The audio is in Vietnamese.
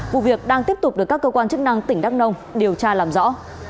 vụ việc đang tiếp tục được các cơ quan chức năng tỉnh đắk nông điều tra làm rõ